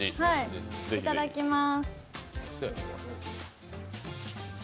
いただきます。